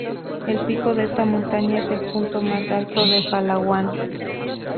El pico de esta montaña es el punto más alto de Palawan.